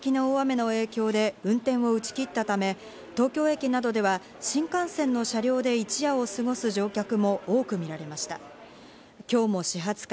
東海道新幹線は昨日夜、静岡県内の記録的大雨の影響で運転を打ち切ったため、東京駅などでは新幹線の車両で一夜を過ごす乗客も多く見られました。